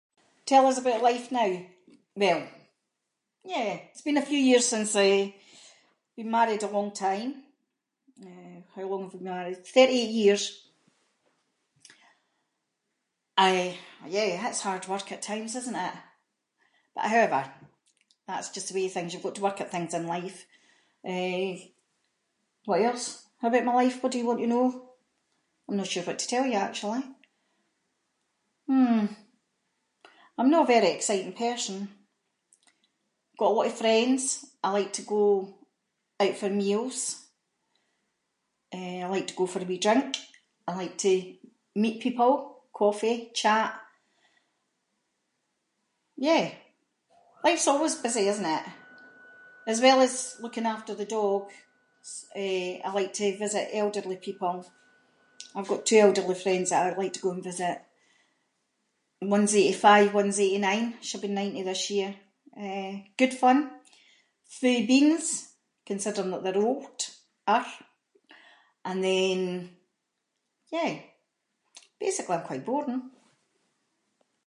Tell us about life now. Well, yeah, it’s been a few years since, eh- been married a long time, eh, how long have we been married? Thirty-eight years, I- yeah that’s hard work at times isn’t it. But however, that’s just the way of things, you’ve got to work at things in life, eh, what else about my life, what do you want to know? I’m no sure what to tell you actually, hmm. I’m no a very exciting person, got a lot of friends, I like to go out for meals, eh I like to go for a wee drink, I like to meet people, coffee, chat, yeah. Life’s always busy isn’t it, as well as looking after the dogs, I like to visit elderly people. I’ve got two elderly friends that I like to go and visit, one’s eighty-five, one’s eighty-nine, she’ll be ninety this year, eh, good fun, full of beans, considering that they’re old(er), and then yeah, basically I’m quite boring.